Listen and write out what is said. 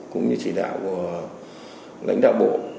cũng như chỉ đạo của lãnh đạo bộ